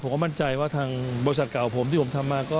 มั่นใจว่าทางบริษัทเก่าผมที่ผมทำมาก็